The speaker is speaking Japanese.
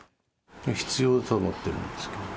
必要だと思ってるんですけど。